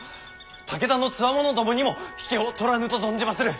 武田のつわものどもにも引けを取らぬと存じまする！